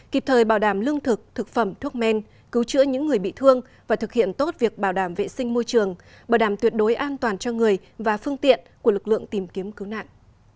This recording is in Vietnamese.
kịp thời bảo đảm lương thực thực phẩm thuốc men cứu chữa những người bị thương và thực hiện tốt việc bảo đảm vệ sinh môi trường bảo đảm tuyệt đối an toàn cho người và phương tiện của lực lượng tìm kiếm cứu nạn